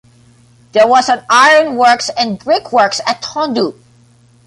There was an ironworks and brick works at Tondu.